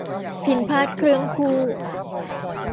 พิณพาทย์เครื่องคู่